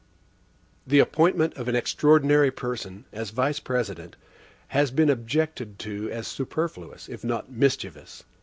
The appointment of an extraordinary person, as Vice President, has been objected to as superfluous, if not mischievous.